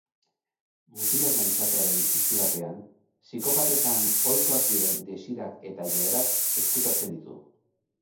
Mutil ona izatearen itxurapean, psikopatetan ohikoak diren desirak eta joerak ezkutatzen ditu.